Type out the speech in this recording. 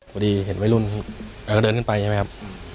พอดีเห็นวัยรุ่นแกก็เดินขึ้นไปใช่ไหมครับ